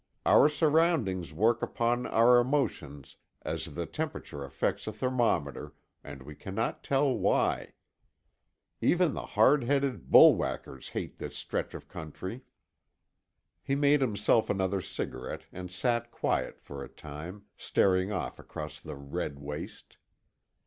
Our surroundings work upon our emotions as the temperature affects a thermometer, and we cannot tell why. Even the hard headed bull whackers hate this stretch of country." He made himself another cigarette, and sat quiet for a time, staring off across the red waste.